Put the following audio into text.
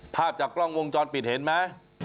ภาพจากกล้องวงจรปิดเห็นไหม